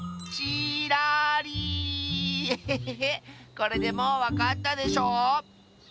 これでもうわかったでしょう？